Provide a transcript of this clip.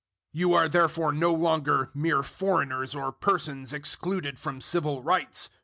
002:019 You are therefore no longer mere foreigners or persons excluded from civil rights.